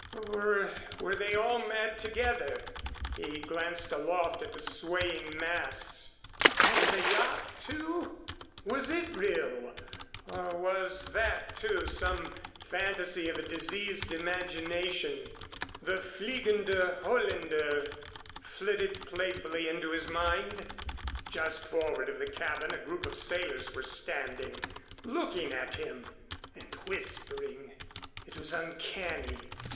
Or were they all mad together? He glanced aloft at the swaying masts. And the yacht, too? Was it real or was that, too, some fantasy of a diseased imagination? The Fliegende Holländer flitted playfully into his mind. Just forward of the cabin a group of sailors were standing looking at him and whispering. It was uncanny.